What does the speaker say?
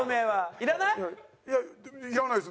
いやいらないです